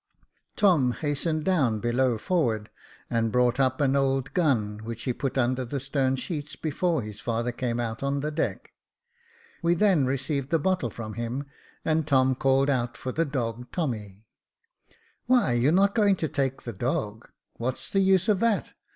Tom hastened down below forward, and brought up an old gun, which he put under the stern sheets before his father came out on the deck. We then received the bottle from him, and Tom called out for the dog Tommy. " Why, you're not going to take the dog. What's the use of that